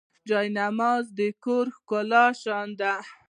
جانمازونه د کور د ښکلا شیان.